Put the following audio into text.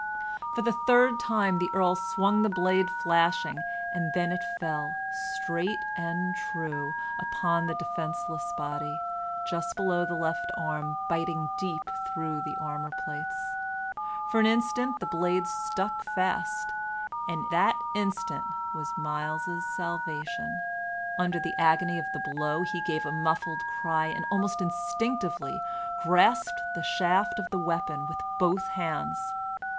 For the third time the Earl swung the blade flashing, and then it fell, straight and true, upon the defenceless body, just below the left arm, biting deep through the armor plates. For an instant the blade stuck fast, and that instant was Myles's salvation. Under the agony of the blow he gave a muffled cry, and almost instinctively grasped the shaft of the weapon with both hands.